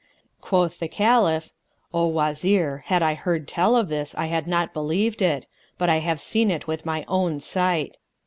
Quoth the Caliph, "O Wazir, had I heard tell of this, I had not believed it; but I have seen it with my own sight."